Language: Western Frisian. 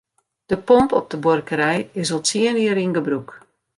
De pomp op de buorkerij is al tsien jier yn gebrûk.